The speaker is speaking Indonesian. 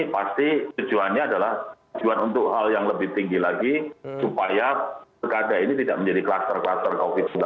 pasti tujuannya adalah tujuan untuk hal yang lebih tinggi lagi supaya pilkada ini tidak menjadi kluster kluster covid sembilan belas